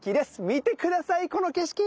見て下さいこの景色！